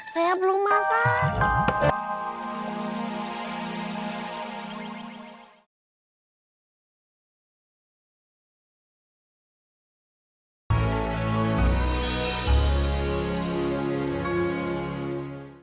saya belum masak